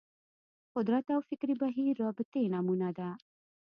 قدرت او فکري بهیر رابطې نمونه ده